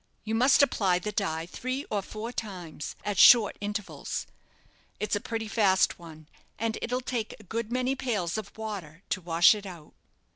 You must apply the dye three or four times, at short intervals. It's a pretty fast one, and it'll take a good many pails of water to wash it out."